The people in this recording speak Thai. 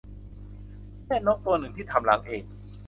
แค่นกตัวหนึ่งที่ทำรังเอง